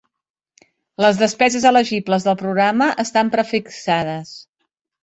Les despeses elegibles del programa estan prefixades.